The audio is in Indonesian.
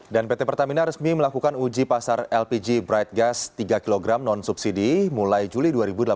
dan pt pertamina resmi melakukan uji pasar lpg bright gas tiga kg non subsidi mulai juli dua ribu delapan belas